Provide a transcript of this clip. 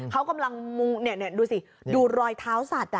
เขากำลังดูสิดูรอยเท้าสัตว์